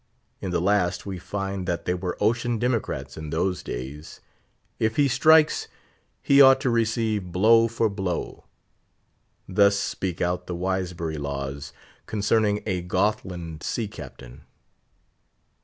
In the last we find that they were ocean democrats in those days. "If he strikes, he ought to receive blow for blow." Thus speak out the Wisbury laws concerning a Gothland sea captain.